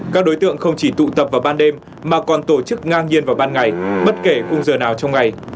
các đối tượng không chỉ tụ tập vào ban đêm mà còn tổ chức ngang nhiên vào ban ngày bất kể khung giờ nào trong ngày